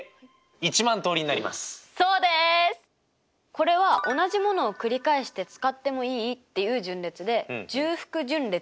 これは同じものを繰り返して使ってもいいっていう順列で重複順列っていうんです。